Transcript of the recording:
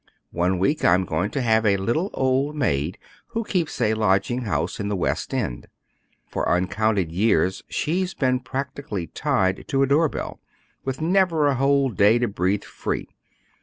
One week I'm going to have a little old maid who keeps a lodging house in the West End. For uncounted years she's been practically tied to a doorbell, with never a whole day to breathe free.